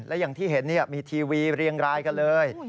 และอย่างที่เห็นมีทีวีเรียงรายกันเลย